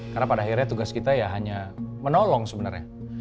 karena pada akhirnya tugas kita ya hanya menolong seseorang